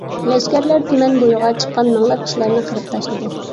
لەشكەرلەر تۈمەن بويىغا چىققان مىڭلاپ كىشىلەرنى قىرىپ تاشلىدى.